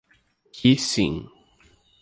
Que sim.